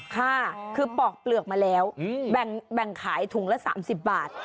ค่ะคือปอกเปลือกมาแล้วแบ่งขายถุงละ๓๐บาท